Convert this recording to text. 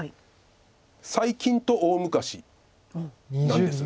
最近と大昔なんです。